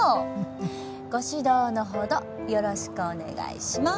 ご指導のほどよろしくお願いしまーす。